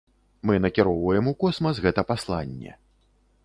Мы накіроўваем у космас гэта пасланне.